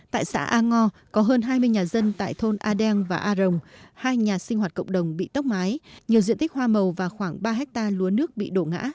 tại xã a ngo có hơn hai mươi nhà dân tại thôn a đen và a rồng hai nhà sinh hoạt cộng đồng bị tốc mái nhiều diện tích hoa màu và khoảng ba hectare lúa nước bị đổ ngã